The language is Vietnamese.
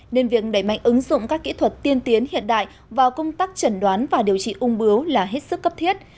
nên việc đẩy mạnh ứng dụng các kỹ thuật tiên tiến hiện đại vào công tác chẩn đoán và điều trị ung bướu là hết sức cấp thiết